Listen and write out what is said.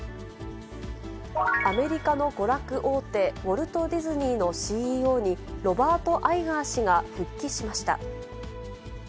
アメリカの娯楽大手、ウォルト・ディズニーのＣＥＯに、ロバート・アイガー氏が復帰しました。